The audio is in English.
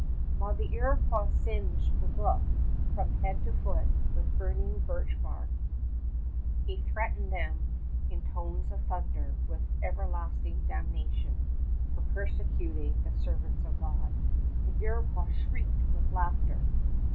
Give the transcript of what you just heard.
When the Iroquois singed Brébeuf from head to foot with burning birch bark, he threatened them in tones of thunder with everlasting damnation for persecuting the servants of God. The Iroquois shrieked with laughter.